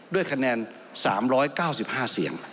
ด้วยคะแนน๓๙๕เสียง